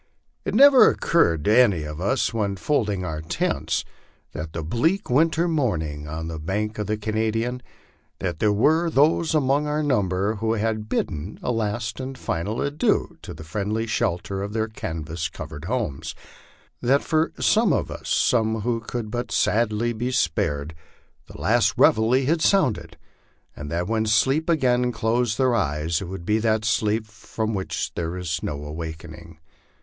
It never occurred to any of us, when folding our tents that bleak winter morning on the bank of the Canadian, that there were those among our number who had bidden a last and final adieu to the friendly shelter of their canvas covered homes; that for some of us, some who could but sadly be spared, the last reveille had sounded, and that when sleep again closed their eyes it would be that sleep from which there is no awakening.